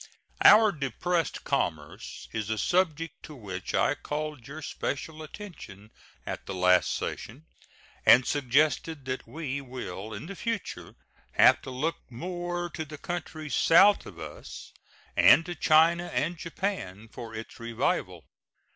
Our depressed commerce is a subject to which I called your special attention at the last session, and suggested that we will in the future have to look more to the countries south of us, and to China and Japan, for its revival.